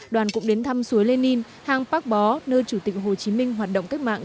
đoàn cũng đến thăm suối lê ninh hang bắc bó nơi chủ tịch hồ chí minh hoạt động cách mạng